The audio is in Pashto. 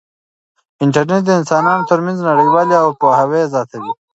انټرنیټ د انسانانو ترمنځ نږدېوالی او پوهاوی زیاتوي.